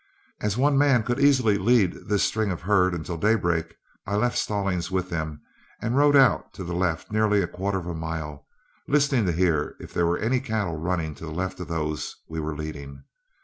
As one man could easily lead this string of the herd until daybreak, I left Stallings with them and rode out to the left nearly a quarter of a mile, listening to hear if there were any cattle running to the left of those we were leading.